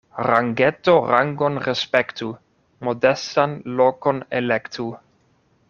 Rangeto rangon respektu, modestan lokon elektu.